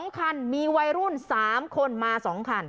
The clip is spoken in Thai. ๒คันมีวัยรุ่น๓คนมา๒คัน